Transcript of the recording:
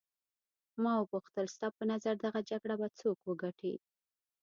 ما وپوښتل ستا په نظر دغه جګړه به څوک وګټي.